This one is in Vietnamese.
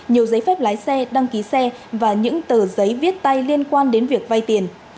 nhiều giấy phép lái xe đăng ký xe và những tờ giấy viết tay liên quan đến việc vay tiền